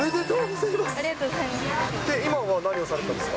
ありがとうございます。